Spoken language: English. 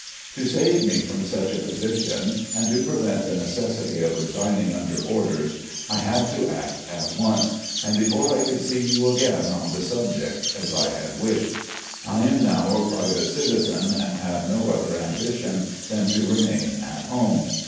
To save me from such a position, and to prevent the necessity of resigning under orders, I THE CONFEDERATE GENERAL 27 had to act at once, and before I could see you again on the subject, as I had wished. I am now a private citizen, and have no other ambition than to remain at home.